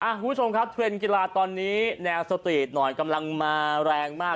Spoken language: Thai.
คุณผู้ชมครับเทรนด์กีฬาตอนนี้แนวสตรีทหน่อยกำลังมาแรงมาก